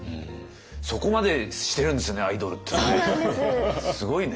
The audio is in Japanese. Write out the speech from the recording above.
そこまでしてるんですねアイドルってね。